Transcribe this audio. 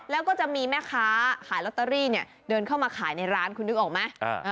แล้วก็จะมีแม่ค้าขายลอตเตอรี่เนี่ยเดินเข้ามาขายในร้านคุณนึกออกไหม